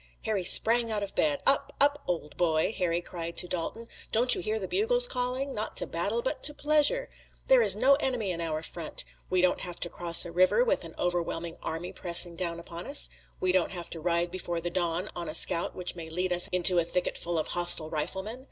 Harry sprang out of bed. "Up! up! old boy!" Harry cried to Dalton. "Don't you hear the bugles calling? not to battle but to pleasure! There is no enemy in our front! We don't have to cross a river with an overwhelming army pressing down upon us! We don't have to ride before the dawn on a scout which may lead us into a thicket full of hostile riflemen.